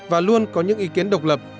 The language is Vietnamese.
và luôn có những ý kiến độc lập